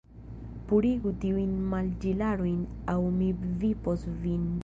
Purigu tiujn manĝilarojn! aŭ mi vipos vin!